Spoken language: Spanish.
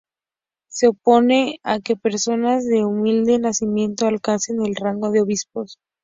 Se opone a que personas de humilde nacimiento alcancen el rango de obispos.